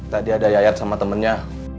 tadi ada yayat sama temennya